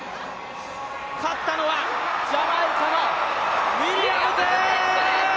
勝ったのはジャマイカのウィリアムズ。